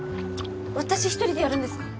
私一人でやるんですか？